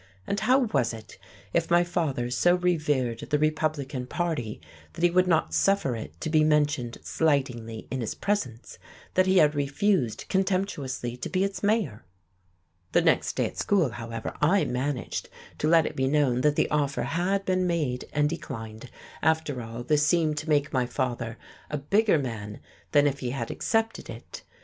And how was it, if my father so revered the Republican Party that he would not suffer it to be mentioned slightingly in his presence, that he had refused contemptuously to be its mayor?... The next day at school, however, I managed to let it be known that the offer had been made and declined. After all, this seemed to make my father a bigger man than if he had accepted it.